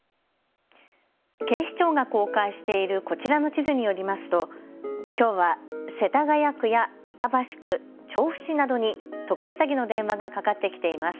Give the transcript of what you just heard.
警視庁が公開しているこちらの地図によりますときょうは世田谷区や板橋区、調布市などに特殊詐欺の電話がかかってきています。